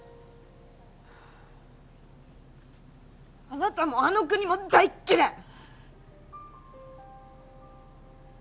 あなたもあの国も大っ嫌い！